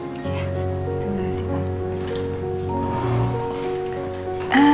terima kasih pak